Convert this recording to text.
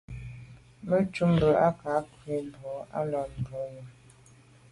Mvə̌ cúp mbə̄ ká bù brók á lá mbrə̀ bú bə̂ nyə̀m.